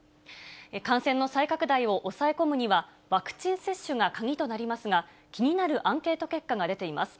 感染の再拡大を抑え込むには、ワクチン接種が鍵となりますが、気になるアンケート結果が出ています。